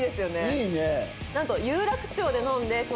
いいね。